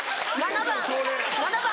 「７番！